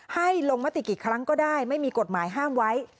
ให้ลงมติกี่ครั้งก็ได้ไม่มีกฎหมายห้ามไว้